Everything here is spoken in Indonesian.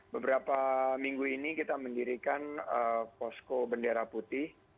beberapa minggu ini kita mendirikan posko bendera putih